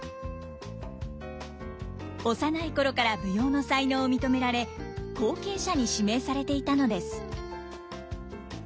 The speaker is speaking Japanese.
幼い頃から舞踊の才能を認められ後継者に指名されていたのです。